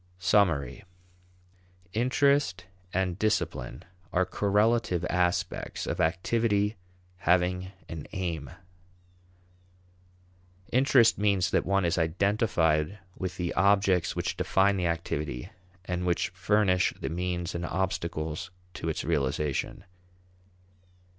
Summary. Interest and discipline are correlative aspects of activity having an aim. Interest means that one is identified with the objects which define the activity and which furnish the means and obstacles to its realization.